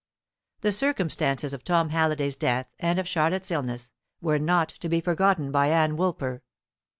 The circumstances of Tom Halliday's death and of Charlotte's illness were not to be forgotten by Ann Woolper.